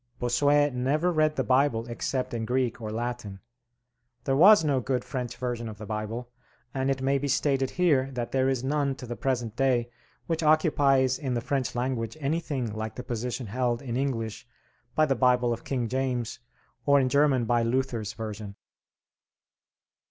Bossuet never read the Bible except in Greek or Latin. There was no good French version of the Bible; and it may be stated here that there is none to the present day which occupies in the French language anything like the position held in English by the Bible of King James, or in German by Luther's version.